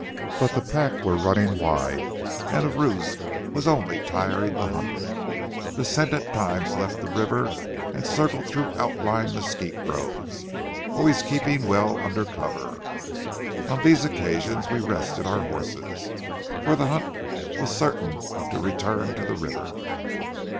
But the pack were running wide and the ruse was only tiring the hunted. The scent at times left the river and circled through outlying mesquite groves, always keeping well under cover. On these occasions we rested our horses, for the hunt was certain to return to the river.